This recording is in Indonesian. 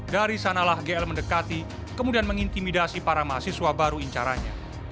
dari sanalah gl mendekati kemudian mengintimidasi para mahasiswa baru incaranya